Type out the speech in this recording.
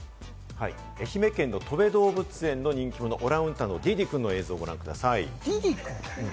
愛媛県のとべ動物園の人気者オランウータンのディディくんの映像をご覧ください。